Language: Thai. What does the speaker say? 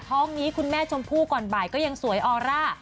ท้องนี้คุณแม่ชมพู่ก่อนบ่ายก็ยังสวยออร่า